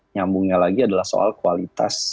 nyambungnya lagi adalah soal kualitas